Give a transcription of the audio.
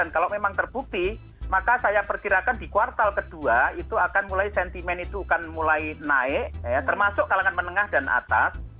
kalau memang terbukti maka saya perkirakan di kuartal kedua itu akan mulai sentimen itu akan mulai naik termasuk kalangan menengah dan atas